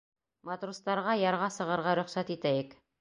Матростарға ярға сығырға рөхсәт итәйек.